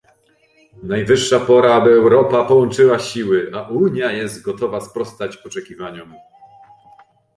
Najwyższa pora, aby Europa połączyła siły, a Unia jest gotowa sprostać oczekiwaniom